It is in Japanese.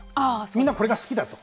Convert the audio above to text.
みんな、これが好きだと。